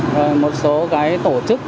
rồi một số cái tổ chức